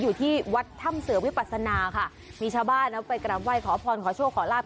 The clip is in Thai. อยู่ที่วัดถ้ำเสือวิปัสนาค่ะมีชาวบ้านเอาไปกลับไหว้ขอพรขอโชคขอลาบ